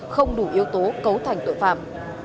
không đủ yếu tố cấu thành tội phạm